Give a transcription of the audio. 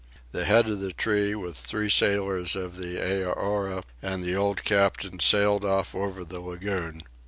The head of the tree, with three sailors of the Aorai and the old captain sailed off over the lagoon.